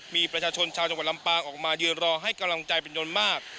มีประชาชนชาวจังหวัดลำปางออกมายืนรอให้กำลังใจเป็นยนต์มาก